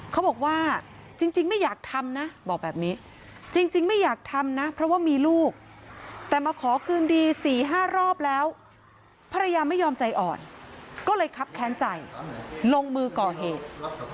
เขาบอกว่าจริงไม่อยากทำนะบอกแบบนี้จริงไม่อยากทำนะเพราะว่ามีลูกแต่มาขอคืนดี๔๕รอบแล้วภรรยาไม่ยอมใจอ่อนก็เลยคับแค้นใจลงมือก่อเหตุ